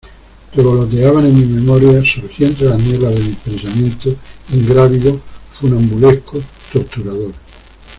revoloteaba en mi memoria, surgía entre la niebla de mis pensamientos , ingrávido , funambulesco , torturador.